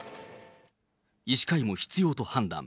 医師会も必要と判断。